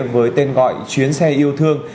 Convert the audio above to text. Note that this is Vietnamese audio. với tên gọi chuyến xe yêu thương